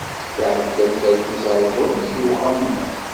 Iɛedda lferk uẓerzur nnig uxxam-nneɣ.